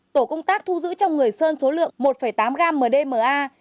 tổ công tác thu giữ trong người sơn số lượng một tám gam mdma